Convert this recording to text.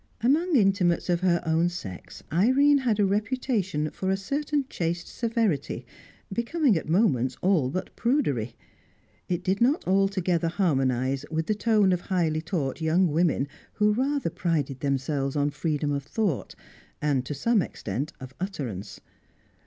Among intimates of her own sex Irene had a reputation for a certain chaste severity becoming at moments all but prudery. It did not altogether harmonise with the tone of highly taught young women who rather prided themselves on freedom of thought, and to some extent of utterance.